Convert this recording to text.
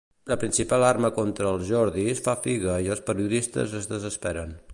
La principal arma contra els Jordis fa figa i els periodistes es desesperen.